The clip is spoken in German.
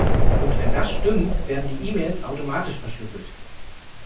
Und wenn das stimmt, werden die E-Mails automatisch verschlüsselt.